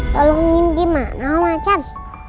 tolongin dimana om acan